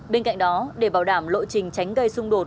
bên cạnh đó để bảo đảm lộ trình tránh gây xung đột